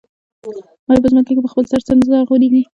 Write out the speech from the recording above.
آیا په ځمکو کې په خپل سر څه زرغونېږي